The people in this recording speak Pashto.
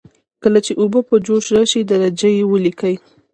کله چې اوبه په جوش راشي درجه یې ولیکئ.